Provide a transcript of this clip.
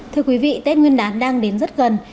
thưa quý vị tết nguyên đán đang đến rất gần